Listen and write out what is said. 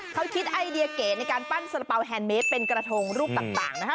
เขาคิดไอเดียเก๋ในการปั้นสารเป๋าแฮนดเมสเป็นกระทงรูปต่างนะคะ